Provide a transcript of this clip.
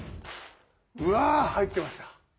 うわ入ってました。